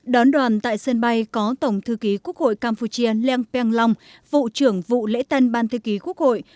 đón đoàn tại sân bay có tổng thư ký quốc hội campuchia leng peng long vụ trưởng vụ lễ tân ban thư ký quốc hội